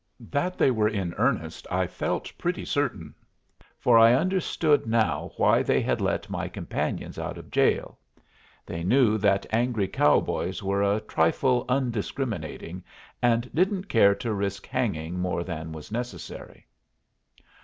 That they were in earnest I felt pretty certain, for I understood now why they had let my companions out of jail. They knew that angry cowboys were a trifle undiscriminating, and didn't care to risk hanging more than was necessary.